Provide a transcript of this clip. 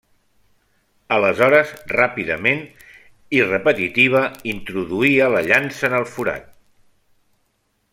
Aleshores ràpidament i repetitiva introduïa la llança en el forat.